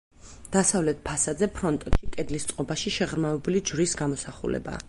დასავლეთ ფასადზე, ფრონტონში, კედლის წყობაში შეღრმავებული ჯვრის გამოსახულებაა.